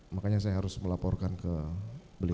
makanya saya harus melaporkan ke beliau